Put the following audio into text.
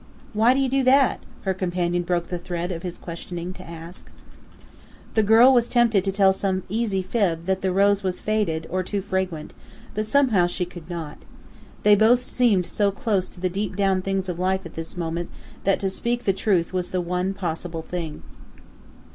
"Why do you do that?" her companion broke the thread of his questioning to ask. The girl was tempted to tell some easy fib that the rose was faded, or too fragrant; but somehow she could not. They both seemed so close to the deep down things of life at this moment that to speak the truth was the one possible thing.